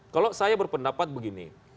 kalau saya berpendapat begini